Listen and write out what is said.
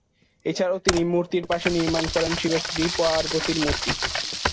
এছাড়াও, তিনি মূর্তির পাশে নির্মাণ করেন শিবের স্ত্রী পার্বতীর মূর্তি।